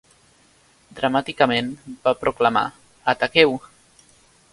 Dramàticament, va proclamar: "Ataqueu!".